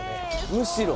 むしろ？